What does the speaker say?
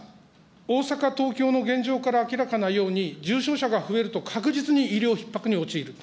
大阪、東京の現状から明らかなように、重症者が増えると確実に医療ひっ迫に陥ると。